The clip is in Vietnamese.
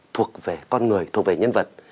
thuộc về con người thuộc về nhân vật